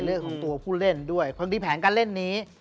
เรื่องของตัวผู้เล่นด้วยความดีแผนการเล่นนี้